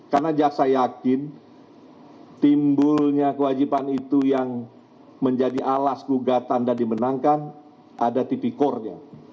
karena jaksa yakin timbulnya kewajiban itu yang menjadi alas gugatan dan dimenangkan ada tipikornya